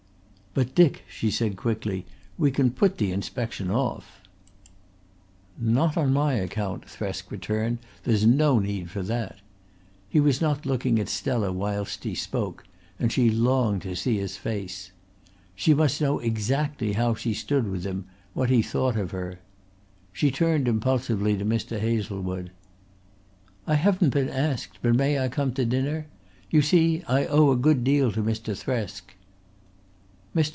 "But, Dick," she said quickly, "we can put the inspection off." "Not on my account," Thresk returned. "There's no need for that." He was not looking at Stella whilst he spoke and she longed to see his face. She must know exactly how she stood with him, what he thought of her. She turned impulsively to Mr. Hazlewood. "I haven't been asked, but may I come to dinner? You see I owe a good deal to Mr. Thresk." Mr.